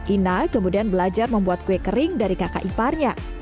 ina kemudian belajar membuat kue kering dari kakak iparnya